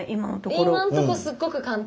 今んとこすっごく簡単。